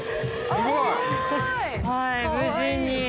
すごい。